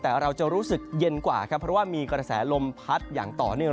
แต่เราจะรู้สึกเย็นกว่าครับเพราะว่ามีกระแสลมพัดอย่างต่อเนื่อง